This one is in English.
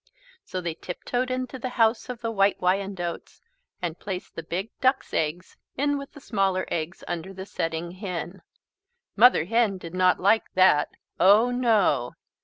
So they tiptoed into the House of the White Wyandottes and placed the big duck's eggs in with the smaller eggs under the setting hen. Mother Hen did not like that, oh no!